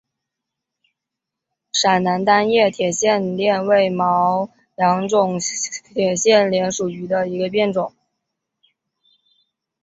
陕南单叶铁线莲为毛茛科铁线莲属下的一个变种。